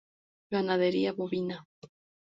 Ganadería bovina.